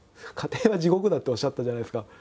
「家庭が地獄だ」っておっしゃったじゃないですか。